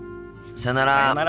さよなら。